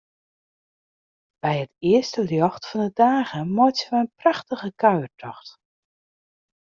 By it earste ljocht fan 'e dage meitsje wy in prachtige kuiertocht.